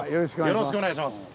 よろしくお願いします。